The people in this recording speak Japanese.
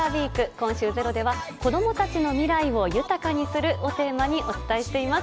今週「ｚｅｒｏ」では子供たちの未来を豊かにするをテーマにお伝えしています。